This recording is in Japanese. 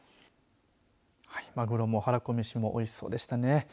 マグロも、はらこめしもおいしそうでしたね。